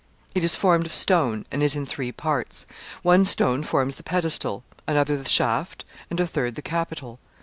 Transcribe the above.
It is formed of stone, and is in three parts. One stone forms the pedestal, another the shaft, and a third the capital.